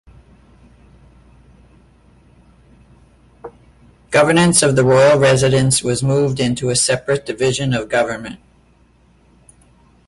Governance of the royal residence was moved into a separate division of government.